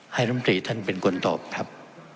น้ำตรีท่านเป็นคนตอบครับ